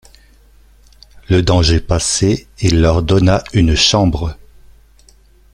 Le danger passé, il leur donna une chambre.